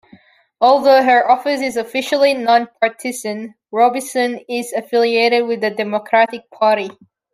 Although her office is officially non-partisan, Robison is affiliated with the Democratic Party.